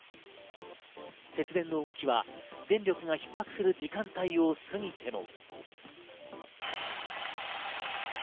節電の動きは電力がひっ迫する時間帯を過ぎても。